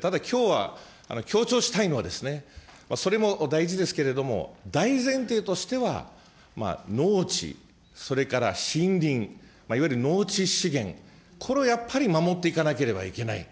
ただ、きょうは強調したいのは、それも大事ですけれども、大前提としては、農地、それから森林、いわゆる農地資源、これをやっぱり守っていかなければいけない。